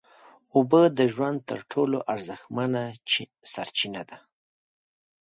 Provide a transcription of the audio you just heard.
اوبه د ژوند تر ټولو ارزښتمنه سرچینه ده